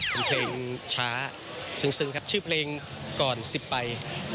เป็นเพลงช้าซึงครับชื่อเพลงก่อน๑๐ใบ